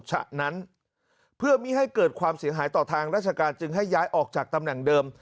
ฉะนั้นเพื่อไม่ให้เกิดความเสียหายต่อทางราชการจึงให้ย้ายออกจากตำแหน่งเดิม